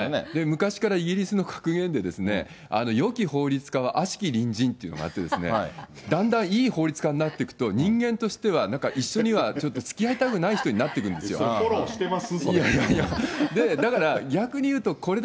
昔からイギリスの格言で、よき法律家はあしき隣人というのがあってですね、だんだんいい法律家になっていくと、人間としてはなんか一緒にはちょっとつきあいたくない人になってフォローしてます？